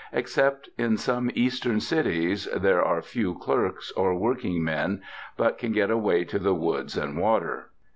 Except in some Eastern cities, there are few clerks or working men but can get away to the woods and water.